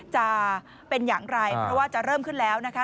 จะเป็นอย่างไรเพราะว่าจะเริ่มขึ้นแล้วนะคะ